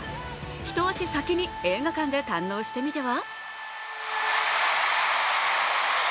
一足先に映画館で堪能してみては。